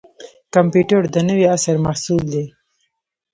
کمپیوټر د نوي عصر محصول دی